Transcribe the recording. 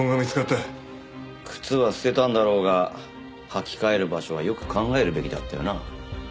靴は捨てたんだろうが履き替える場所はよく考えるべきだったよな。